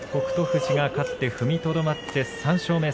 富士が勝って踏みとどまって３勝目。